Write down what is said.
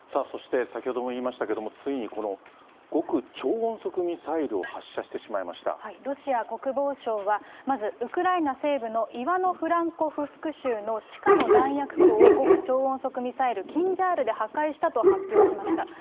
そして、先ほども言いましたけれども、ついにこの極超音速ミロシア国防省は、まずウクライナ西部のイワノフランコフスク州の地下の弾薬庫を極超音速ミサイル、キンジャールで破壊したと発表しました。